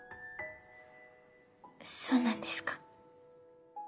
そうなんですか？